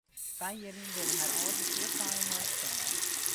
Twa jier lyn binne har âlden fuort nei inoar stoarn.